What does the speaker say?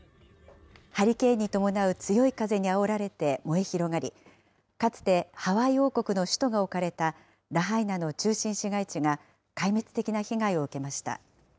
ハリケーンに伴う強い風にあおられて燃え広がり、かつてハワイ王国の首都が置かれたラハイナの中心市街地が壊滅的な被害を受けました。